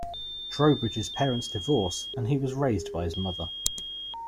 Trowbridge's parents divorced, and he was raised by his mother.